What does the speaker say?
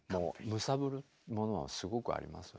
揺さぶるものはすごくありますよね。